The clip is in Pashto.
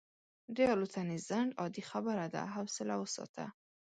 د الوتنې ځنډ عادي خبره ده، حوصله وساته.